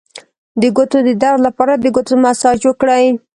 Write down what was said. د ګوتو د درد لپاره د ګوتو مساج وکړئ